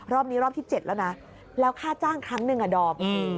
รอบนี้รอบที่๗แล้วนะแล้วค่าจ้างครั้งหนึ่งอ่ะดอม